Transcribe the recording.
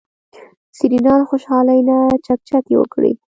سېرېنا له خوشحالۍ نه چکچکې وکړې.